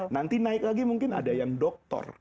nanti naik lagi mungkin ada yang doktor